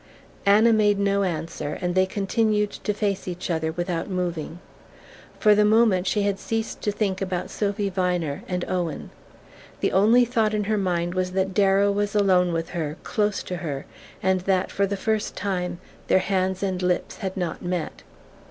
Anna made no answer and they continued to face each other without moving. For the moment she had ceased to think about Sophy Viner and Owen: the only thought in her mind was that Darrow was alone with her, close to her, and that, for the first time, their hands and lips had not met.